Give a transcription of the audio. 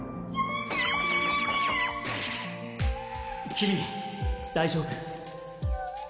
君大丈夫？